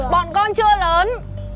bọn con chưa lớn